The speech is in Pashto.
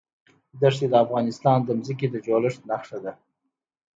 دښتې د افغانستان د ځمکې د جوړښت نښه ده.